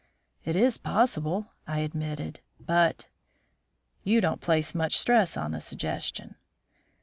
"It is possible," I admitted, "but " "You don't place much stress on the suggestion."